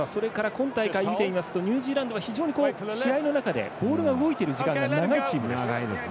今大会見ていますとニュージーランドは非常に試合の中でボールが動いている時間が長いチームです。